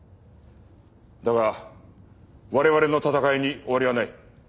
だが我々の闘いに終わりはない。